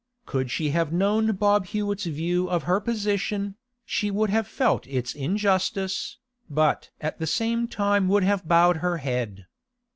Could she have known Bob Hewett's view of her position, she would have felt its injustice, but at the same time would have bowed her head.